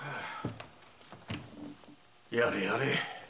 やれやれ。